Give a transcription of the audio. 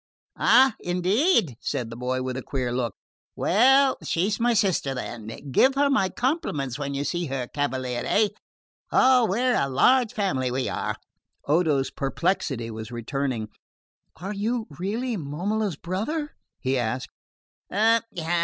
"Ah, indeed?" said the boy with a queer look. "Well, she's my sister, then. Give her my compliments when you see her, cavaliere. Oh, we're a large family, we are!" Odo's perplexity was returning. "Are you really Momola's brother?" he asked.